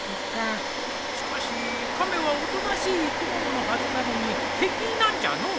しかし亀はおとなしい生き物のはずなのに敵なんじゃのう。